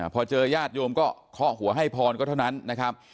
พอเจอญาติโยมก็เคาะหัวให้พรก็เท่านั้นนะครับ